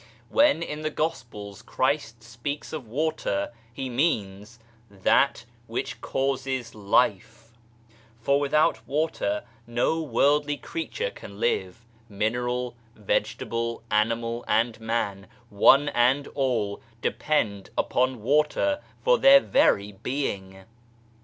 When in the Gospels Christ speaks of " water/' He means that which causes life, for with out water no worldly creature can live mineral, vege table, animal and man, one and all, depend upon water for their very being.